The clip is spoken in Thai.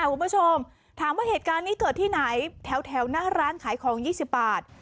คุณผู้ชมถามว่าเหตุการณ์นี้เกิดที่ไหนแถวหน้าร้านขายของ๒๐บาท